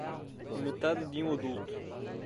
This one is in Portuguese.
Metade de um adulto